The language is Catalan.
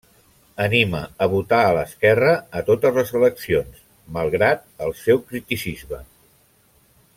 Anima a votar a l'esquerra a totes les eleccions, malgrat el seu criticisme.